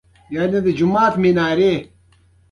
دریابونه د افغانستان د ولایاتو په کچه توپیر لري.